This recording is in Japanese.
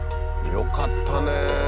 よかったね！